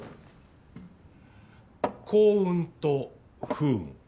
幸運と不運。